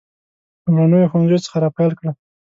لومړنیو ښوونځیو څخه را پیل کړه.